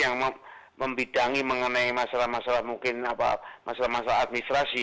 yang membidangi mengenai masalah masalah mungkin masalah masalah administrasi